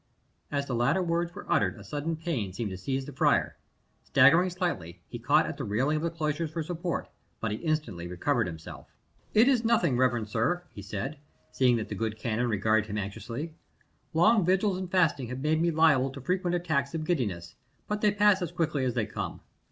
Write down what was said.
As the latter words were uttered a sudden pain seemed to seize the friar. Staggering slightly, he caught at the railing of the cloisters for support, but he instantly recovered himself. "It is nothing, reverend sir," he said, seeing that the good canon regarded him anxiously. "Long vigils and fasting have made me liable to frequent attacks of giddiness, but they pass as quickly as they come.